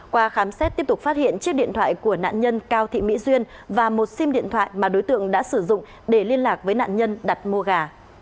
qua khám xét tiếp tục phát hiện chiếc điện thoại của nạn nhân cao thị mỹ duyên và một sim điện thoại mà đối tượng đã sử dụng để liên lạc với nạn nhân đặt mua gà